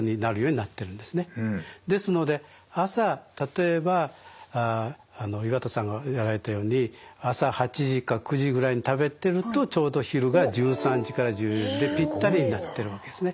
ですので朝例えば岩田さんがやられたように朝８時か９時ぐらいに食べてるとちょうど昼が１３時から１４時でぴったりになってるわけですね。